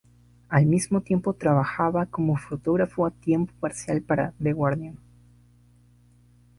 Al mismo tiempo trabajaba como fotógrafo a tiempo parcial para The Guardian.